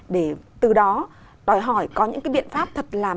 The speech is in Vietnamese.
để từ đó đòi hỏi có những cái biện pháp thật làm